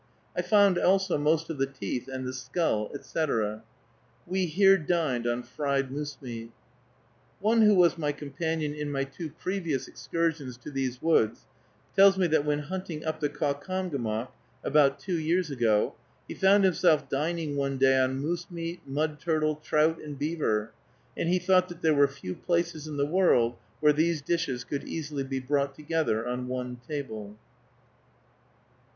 I found also most of the teeth, and the skull, etc. We here dined on fried moose meat. One who was my companion in my two previous excursions to these woods, tells me that when hunting up the Caucomgomoc, about two years ago, he found himself dining one day on moose meat, mud turtle, trout, and beaver, and he thought that there were few places in the world where these dishes could easily be brought together on one table.